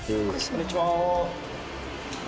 こんにちは。